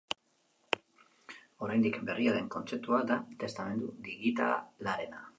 Oraindik berria den kontzeptua da testamentu digitalarena.